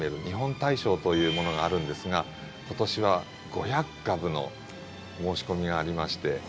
「日本大賞」というものがあるんですが今年は５００株の申し込みがありまして。